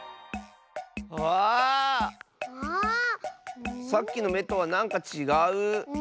ああっ⁉さっきのめとはなんかちがう！